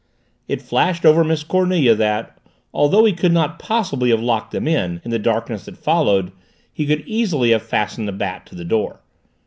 It flashed over Miss Cornelia that, although he could not possibly have locked them in, in the darkness that followed he could easily have fastened the bat to the door.